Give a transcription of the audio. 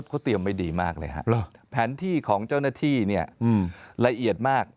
เขาเตรียมไว้ดีมากเลยฮะแผนที่ของเจ้าหน้าที่เนี่ยละเอียดมาก